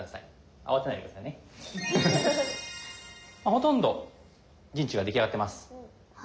ほとんど陣地が出来上がってます。